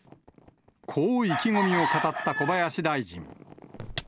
こう意気込みを語った小林大臣。